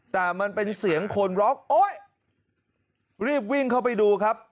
แต่มันเป็นเสียงคนร้องโอ๊ยรีบวิ่งเข้าไปดูครับ